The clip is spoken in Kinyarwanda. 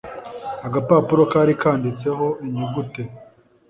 agapapuro kari kanditse ho inyugute